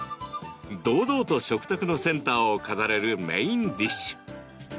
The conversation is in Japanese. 堂々と食卓のセンターを飾れるメインディッシュ。